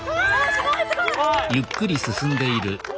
すごいすごい！わ！